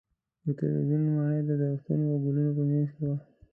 د تلویزیون ماڼۍ د درختو او ګلونو په منځ کې وه.